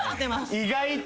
意外と。